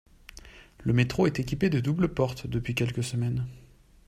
Le métro est équipé de doubles portes depuis quelques semaines.